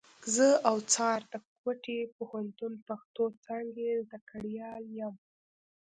زه اوڅار د کوټي پوهنتون پښتو څانګي زدهکړيال یم.